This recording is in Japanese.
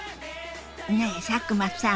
ねえ佐久間さん。